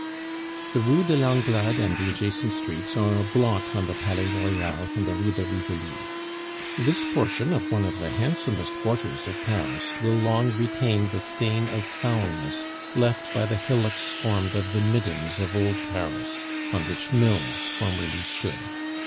The Rue de Langlade and the adjacent streets are a blot on the Palais Royal and the Rue de Rivoli. This portion of one of the handsomest quarters of Paris will long retain the stain of foulness left by the hillocks formed of the middens of old Paris, on which mills formerly stood.